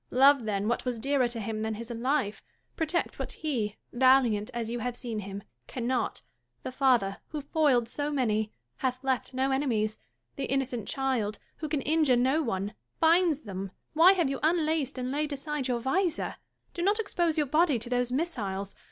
Love, then, what was dearer to him than his life : protect what he, valiant as you have seen him, cannot 1 The father, who foiled so many, hath left no enemies ; the innocent child, who can injure no one, finds them ! Why have you unlaced and laid aside your visor? Do not expose your body to those missiles.